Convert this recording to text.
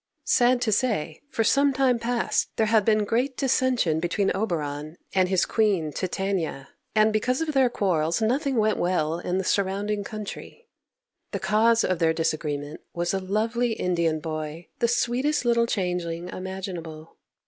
Sad to say, for some time past there had been great dissension between Oberon and his Queen, Titania, and because of their quarrels nothing went well in the surrounding country. The cause of their disagreement was a lovely Indian boy, the sweetest little changeling imaginable.